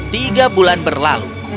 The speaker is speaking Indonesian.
tiga bulan berlalu